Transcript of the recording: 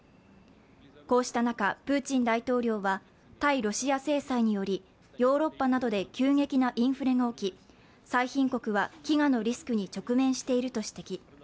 こうした中、プーチン大統領は対ロシア制裁によりヨーロッパなどで急激なインフレが起き、最貧国は飢餓のリスクに直面していると指摘。